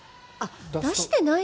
出してないの？